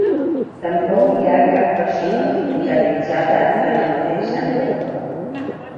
Tampoc hi ha cap persona hospitalitzada ara mateix a Andorra.